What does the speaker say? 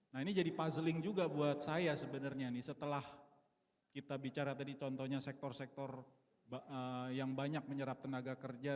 nah ini jadi puzzleing juga buat saya sebenarnya nih setelah kita bicara tadi contohnya sektor sektor yang banyak menyerap tenaga kerja